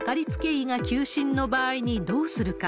医が休診の場合にどうするか。